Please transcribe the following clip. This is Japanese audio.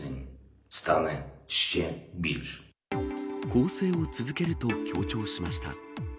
攻勢を続けると強調しました。